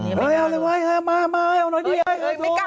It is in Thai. เอาเลยไว้มาเอาหน่อยดิ